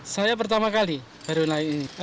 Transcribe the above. saya pertama kali baru naik ini